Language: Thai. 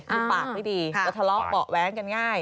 คือปากไม่ดีก็ทะเลาะเบาะแว้งกันง่าย